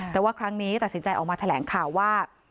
แต่ว่าครั้งนี้ตัดสินใจออกมาแถลงข่าวว่า